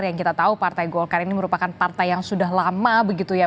yang kita tahu partai golkar ini merupakan partai yang sudah lama begitu ya